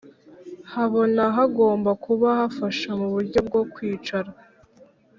habona. Hagomba kuba hafasha mu buryo bwo kwicara